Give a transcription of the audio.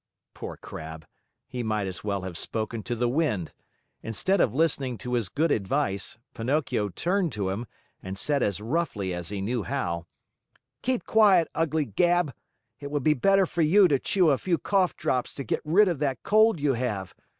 Poor Crab! He might as well have spoken to the wind. Instead of listening to his good advice, Pinocchio turned to him and said as roughly as he knew how: "Keep quiet, ugly Gab! It would be better for you to chew a few cough drops to get rid of that cold you have.